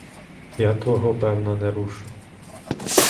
Я твого, певно, не рушу!